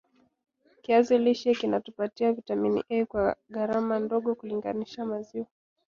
kiazi lishe kinatupatia vitamini A kwa gharama ndogo kulinganisha maziwa